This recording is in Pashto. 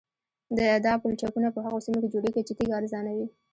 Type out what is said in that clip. دا پلچکونه په هغه سیمو کې جوړیږي چې تیږه ارزانه وي